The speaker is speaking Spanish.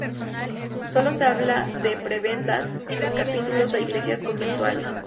Solo se habla de prebendas en los capítulos o iglesias conventuales.